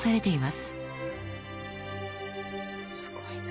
すごいな。